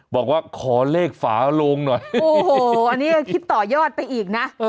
บอกว่าขอเลขฝาโลงหน่อยโอ้โหอันนี้ก็คิดต่อยอดไปอีกนะ